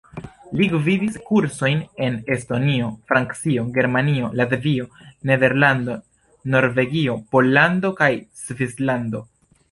Li gvidis kursojn en Estonio, Francio, Germanio, Latvio, Nederlando, Norvegio, Pollando kaj Svislando.